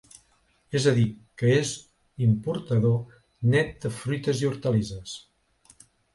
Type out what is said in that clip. És a dir, que és importador net de fruites i hortalisses.